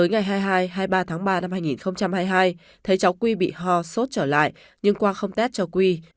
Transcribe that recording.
ngày hai mươi hai hai mươi ba ba hai nghìn hai mươi hai thấy cháu quy bị ho sốt trở lại nhưng quang không test cho quy